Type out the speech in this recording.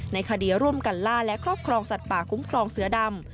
ในคดีร่วมกันล่าและครอบครองสัตว์ป่าคุ้มครองเสือดำ